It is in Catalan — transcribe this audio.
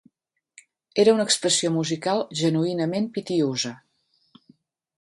Era una expressió musical genuïnament pitiüsa.